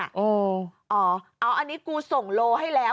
อันนี้กูส่งโลให้แล้ว